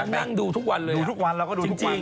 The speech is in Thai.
นั่งดูทุกวันเลยดูทุกวันแล้วก็ดูทุกวัน